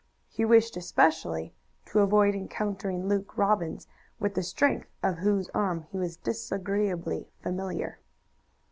He wished especially to avoid encountering Luke Robbins, with the strength of whose arm he was disagreeably familiar.